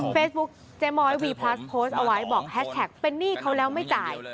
เฟซบุ๊คเจ๊ม้อยวีพลัสโพสต์เอาไว้บอกแฮชแท็กเป็นหนี้เขาแล้วไม่จ่าย